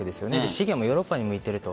資源もヨーロッパに向いていると。